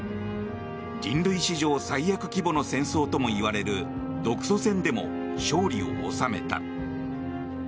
人類史上最悪規模の戦争ともいわれる独ソ戦でも勝利を収めた。